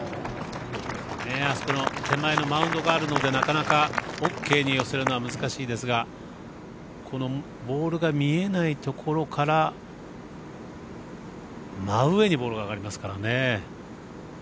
あそこの手前のマウンドがあるのでなかなかＯＫに寄せるのは難しいですがこのボールが見えないところから真上にボールが上がりますからね。